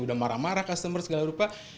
udah marah marah customer segala rupa